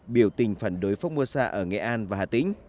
biểu tình phản đối phong mua xa ở nghệ an và hà tĩnh